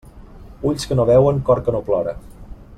Ulls que no veuen, cor que no plora.